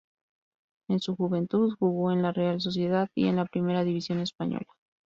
En su juventud jugó en la Real Sociedad y en la Primera división española.